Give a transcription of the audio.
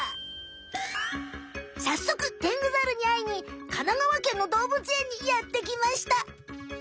さっそくテングザルにあいに神奈川県のどうぶつえんにやってきました！